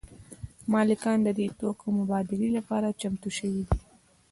مالکان د دې توکو مبادلې لپاره چمتو شوي دي